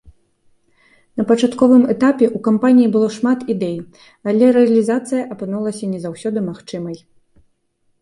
На пачатковым этапе ў кампаніі было шмат ідэй, але рэалізацыя апынулася не заўсёды магчымай.